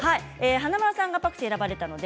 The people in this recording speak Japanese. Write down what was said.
華丸さんがパクチーを選ばれたので